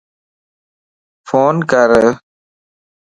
فون ڪر